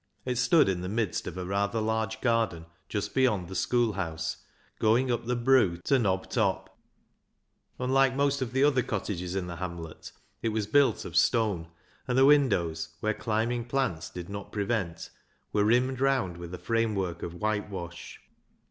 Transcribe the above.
It stood in the midst of a rather large garden just beyond the school house, going up the " broo " to Knob Top. 14 2IO BECKSIDE LIGHTS Unlike most of the other cottages in the hamlet it was built of stone, and the windows, where climbing plants did not prevent, were rimmed round with a framework of whitewash.